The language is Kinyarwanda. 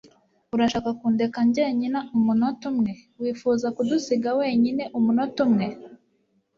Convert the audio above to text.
Urashaka kundeka jyenyine umunota umwe? Wifuza kudusiga wenyine umunota umwe?